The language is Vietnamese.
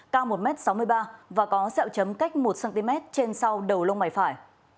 cao một m sáu mươi ba và có sẹo chấm cách một cm trên sau đầu lông mày phải